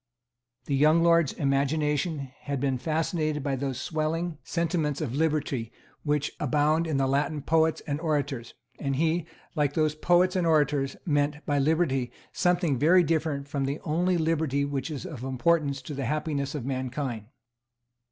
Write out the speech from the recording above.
The young lord's imagination had been fascinated by those swelling sentiments of liberty which abound in the Latin poets and orators; and he, like those poets and orators, meant by liberty something very different from the only liberty which is of importance to the happiness of mankind.